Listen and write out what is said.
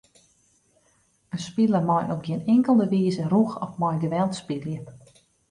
In spiler mei op gjin inkelde wize rûch of mei geweld spylje.